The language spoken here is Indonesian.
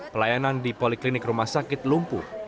pelayanan di poliklinik rumah sakit lumpuh